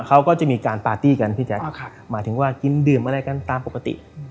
เขาก็จะมีการปาร์ตี้กันพี่แจ๊คหมายถึงว่ากินดื่มอะไรกันตามปกติ